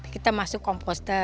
kita masuk kompornya